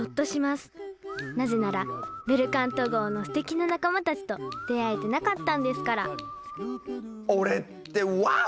なぜならベルカント号のすてきな仲間たちと出会えてなかったんですから俺ってワオ！